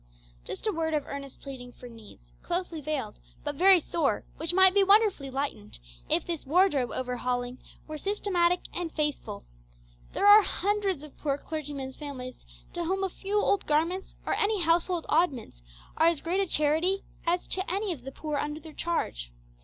Just a word of earnest pleading for needs, closely veiled, but very sore, which might be wonderfully lightened if this wardrobe over hauling were systematic and faithful. There are hundreds of poor clergymen's families to whom a few old garments or any household oddments are as great a charity as to any of the poor under their charge.